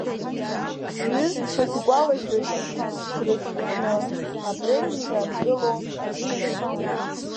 Сҩызцәа сгәалашәоит срызгәкны, апрель мза ангыло аҽны!